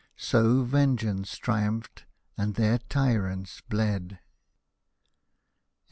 So vengeance triumphed, and their tyrants hied.